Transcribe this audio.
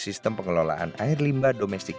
sistem pengelolaan air limba domestik